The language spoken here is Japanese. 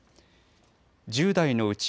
１０代のうち